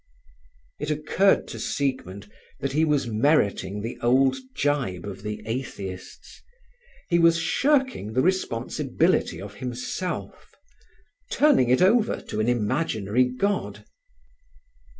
It occurred to Siegmund that he was meriting the old gibe of the atheists. He was shirking the responsibility of himself, turning it over to an imaginary god.